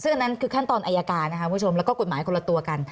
ซึ่งอันนั้นคือขั้นตอนอายการนะคะคุณผู้ชมแล้วก็กฎหมายคนละตัวกัน